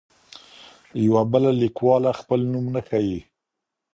یوه بله لیکواله خپل نوم نه ښيي.